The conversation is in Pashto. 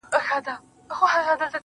ستا د دواړو سترگو سمندر گلي.